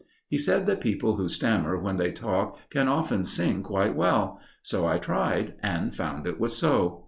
He said that people who stammer when they talk can often sing quite well; so I tried and found it was so.